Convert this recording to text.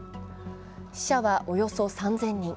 死者はおよそ３０００人。